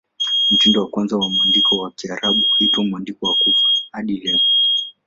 Mtindo wa kwanza wa mwandiko wa Kiarabu huitwa "Mwandiko wa Kufa" hadi leo.